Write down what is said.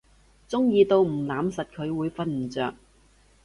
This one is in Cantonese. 中意到唔攬實佢會瞓唔著